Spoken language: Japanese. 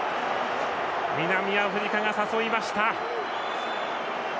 南アフリカが誘いました。